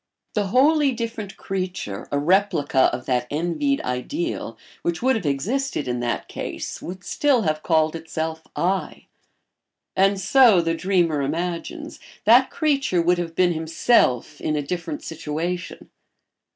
The wholly different creature, a replica of that envied ideal, which would have existed in that case would still have called itself "I"; and so, the dreamer imagines, that creature would have been himself in a different situation.